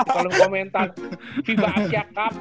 kalau komentar vibah asia cup